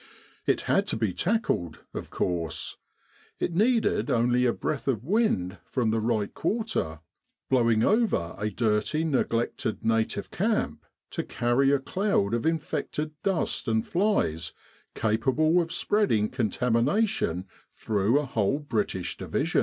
It had to be tackled, of course. It needed only a breath of wind from the right quarter, blowing over a dirty neglected native camp, to carry a cloud of infected dust and flies capable of spreading contamination through a whole British division.